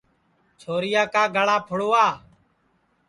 چھورِیا کا گݪا پُھڑاو